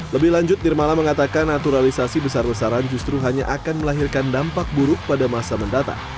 lebih lanjut nirmala mengatakan naturalisasi besar besaran justru hanya akan melahirkan dampak buruk pada masa mendatang